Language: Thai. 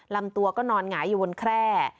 ลำตัวก็นอนหงายอยู่บนแคร่